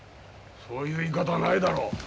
そういう言い方はないだろう！